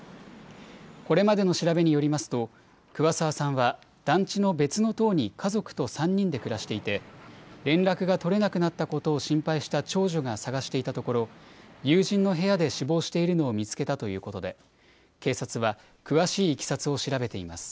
これまでの調べによりますと、桑沢さんは、団地の別の棟に家族と３人で暮らしていて、連絡が取れなくなったことを心配した長女が捜していたところ、友人の部屋で死亡しているのを見つけたということで、警察は詳しいいきさつを調べています。